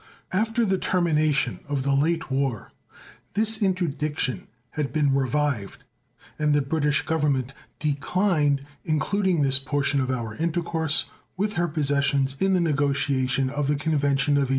After the termination of the late war this interdiction had been revived, and the British Government declined including this portion of our intercourse with her possessions in the negotiation of the convention of 1815.